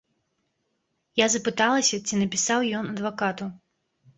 Я запыталася, ці напісаў ён адвакату.